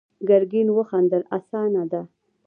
ګرګين وخندل: اسانه ده.